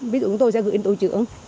ví dụ chúng tôi sẽ gửi đến tổ chưởng